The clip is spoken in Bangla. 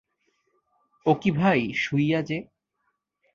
ও কী ভাই, শুইয়া যে!